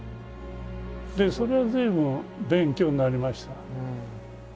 それは随分勉強になりました。